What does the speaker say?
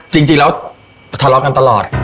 จริงแล้วทะเลาะกันตลอด